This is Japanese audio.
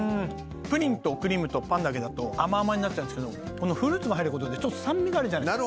プリンとクリームとパンだけだと甘々になっちゃうんですけど、フルーツが入ることで酸味があるじゃないですか。